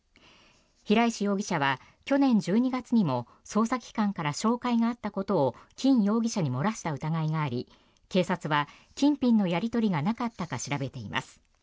平石容疑者は去年１２月にも捜査機関から照会があったことをキン容疑者に漏らした疑いがあり警察は金品のやり取りがなかったか調べています。